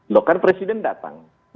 loh kan presiden datang